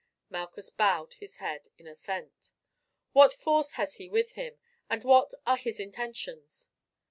Malchus bowed his head in assent. "What force has he with him, and what are his intentions?"